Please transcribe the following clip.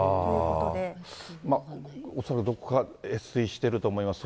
恐らくどこか、越水していると思います。